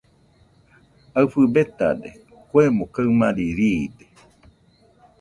Aɨfɨ betade, kuemo kaɨmare riide.